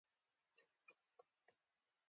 هغوی د چرسو سګرټی ووهي نو په هوا روان وي.